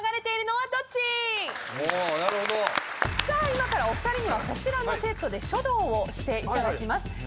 さあ今からお二人にはそちらのセットで書道をしていただきます。